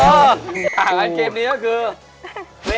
อะงั้นเกมนี้ก็คือ